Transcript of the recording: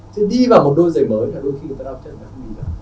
chứ đi vào một đôi giày mới là đôi khi người ta đau chân